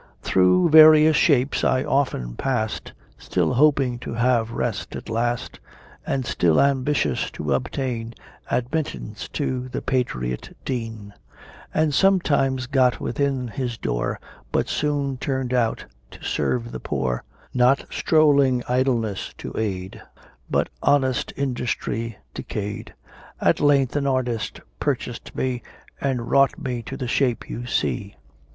Through various shapes I often passed, Still hoping to have rest at last; And still ambitious to obtain Admittance to the patriot Dean; And sometimes got within his door, But soon turn'd out to serve the poor; Not strolling idleness to aid, But honest industry decay'd. At length an artist purchased me, And wrought me to the shape you see.